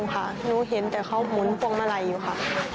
ค่ะหนูเห็นแต่เขาหมุนพวงมาลัยอยู่ค่ะ